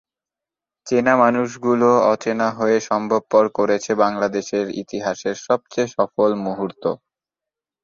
চেনা মানুষগুলো অচেনা হয়ে সম্ভবপর করেছে বাংলাদেশের ইতিহাসের সবচেয়ে সফল মুহূর্ত।